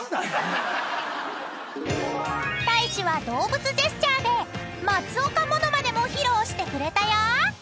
［大志は動物ジェスチャーで松岡モノマネも披露してくれたよ］